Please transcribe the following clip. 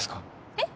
えっ？